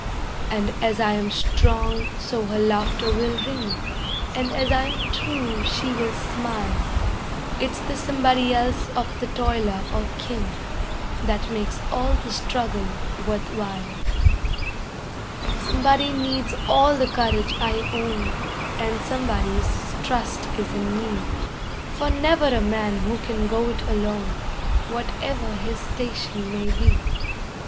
And as I am strong so her laughter will ring, And as I am true she will smile; It's the somebody else of the toiler or king That makes all the struggle worth while. [Illustration: "Somebody Else" From a charcoal drawing by M. L. BOWER.] Somebody needs all the courage I own, And somebody's trust is in me; For never a man who can go it alone, Whatever his station may be.